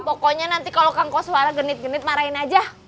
pokoknya nanti kalau kang koswala genit genit marahin aja